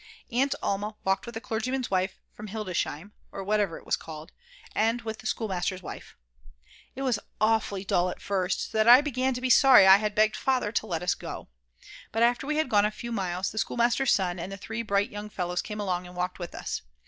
Aunt Alma walked with a clergyman's wife from Hildesheim, or whatever it was called, and with the schoolmaster's wife. It was awfully dull at first, so that I began to be sorry that I had begged Father to let us go. But after we had gone a few miles the schoolmaster's son and three bright young fellows came along and walked with us.